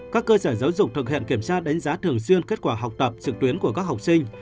các cơ sở giáo dục thực hiện kiểm tra đánh giá thường xuyên kết quả học tập trực tuyến của các học sinh